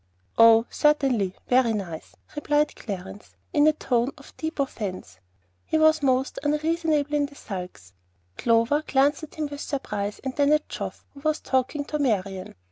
"Oh, certainly; very nice," replied Clarence, in a tone of deep offence. He was most unreasonably in the sulks. Clover glanced at him with surprise, and then at Geoff, who was talking to Marian.